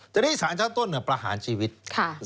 ใจดีก็คือสารชั้นต้น